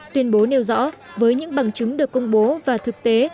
tuyên bố nêu rõ với những bằng chứng được công bố và thực tế